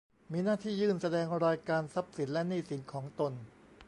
มีหน้าที่ยื่นแสดงรายการทรัพย์สินและหนี้สินของตน